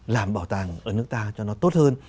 làm bảo tàng ở nước ta cho nó tốt hơn